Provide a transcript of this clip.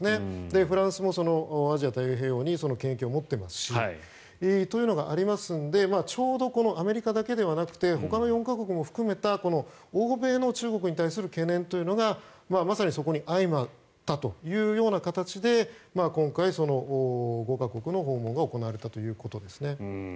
フランスもアジア太平洋に権益を持っていますしというのがありますのでちょうどアメリカだけではなくてほかの４か国も含めた欧米の中国に対する懸念というのがまさにそこに相まったというような形で今回、５か国の訪問が行われたということですね。